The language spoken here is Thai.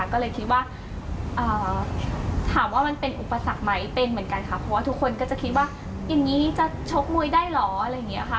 ก็เลยคิดว่าถามว่ามันเป็นอุปสรรคไหมเป็นเหมือนกันค่ะเพราะว่าทุกคนก็จะคิดว่าอย่างนี้จะชกมวยได้เหรออะไรอย่างนี้ค่ะ